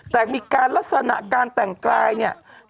แต่มีการลักษณะการแต่งกายเนี่ย